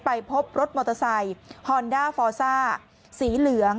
ไปพบรถมอเตอร์ไซค์ฮอนด้าฟอซ่าสีเหลือง